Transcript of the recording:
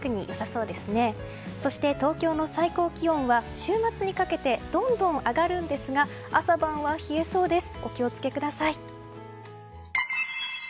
そして東京の最高気温は週末にかけてどんどん上がるんですが朝晩は冷えそうです。